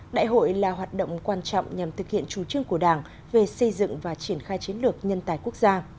đại hội là hoạt động quan trọng nhằm thực hiện chủ trương của đảng về xây dựng và triển khai chiến lược nhân tài quốc gia